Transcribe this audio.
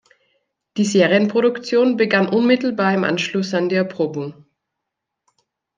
Die Serienproduktion begann unmittelbar im Anschluss an die Erprobung.